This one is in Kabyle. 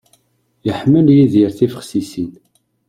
Iḥemmel Yidir tibexsisin.